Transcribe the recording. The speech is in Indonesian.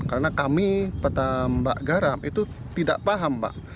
karena kami petan mbak garam itu tidak paham pak